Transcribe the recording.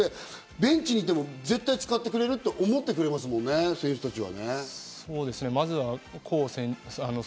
ベンチにいても絶対使ってくれると思ってますもんね、選手たちは。